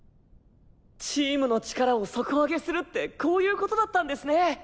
チームの力を底上げするってこういうことだったんですね。